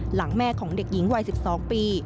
หลังแม่ของเด็กหญิงวัย๑๒ปี